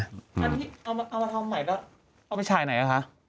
อันนี้เอามาทำใหม่ก็เอาไปฉายไหนอะคะ